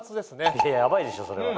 いややばいでしょそれは。